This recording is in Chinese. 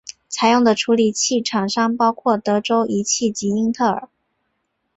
采用的处理器厂商包括德州仪器及英特尔。